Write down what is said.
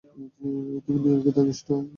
তুই নিউইয়র্কে থাকিস না?